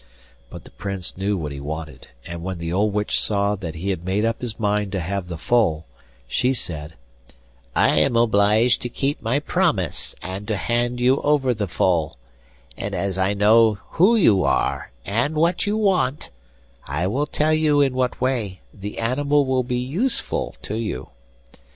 But the Prince knew what he wanted, and when the old witch saw that he had made up his mind to have the foal, she said, 'I am obliged to keep my promise and to hand you over the foal; and as I know who you are and what you want, I will tell you in what way the animal will be useful to you.